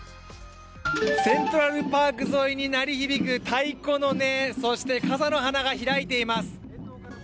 セントラルパーク沿いに鳴り響く太鼓の音そして、傘の花が開いています。